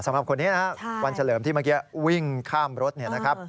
สำหรับคนนี้นะครับวันเฉลิมที่เมื่อกี้วิ่งข้ามรถเนี่ยนะครับ